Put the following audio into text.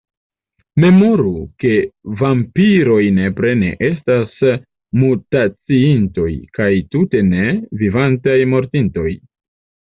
Memoru, ke vampiroj nepre ne estas mutaciintoj, kaj, tute ne, vivantaj mortintoj.